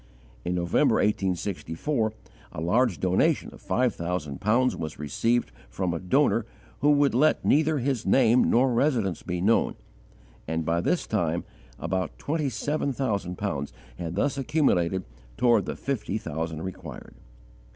In November, 1864, a large donation of five thousand pounds was received from a donor who would let neither his name nor residence be known, and by this time about twenty seven thousand pounds had thus accumulated toward the fifty thousand required.